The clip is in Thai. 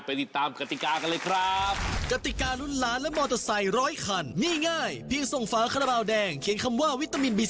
ติดตามกติกากันเลยครับ